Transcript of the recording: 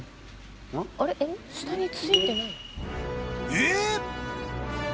［えっ！？］